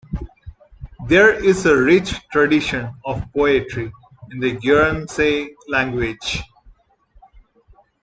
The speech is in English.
There is a rich tradition of poetry in the Guernsey language.